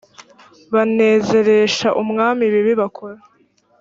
banezeresha umwami ibibi bakora